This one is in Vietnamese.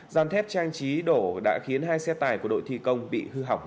dàn thép trang trí đổ đã khiến hai xe tải của đội thi công bị hư hỏng